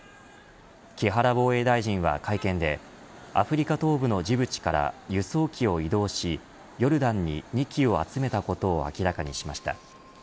木原防衛大臣は会見でアフリカ東部のジブチから輸送機を移動しヨルダンに２機を集めたことを明らかにしました。